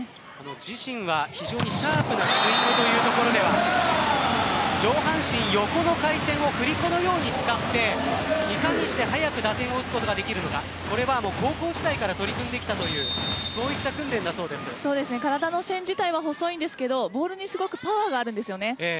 自身は非常にシャープなスイングというところでは上半身横の回転を振り子のように使っていかにして速く打点を打つことができるのかこれが高校時代から取り組んできたという体の線自体は細いんですがボールにすごくパワーがあるんですよね。